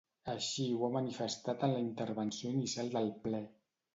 Així ho ha manifestat en la intervenció inicial del ple.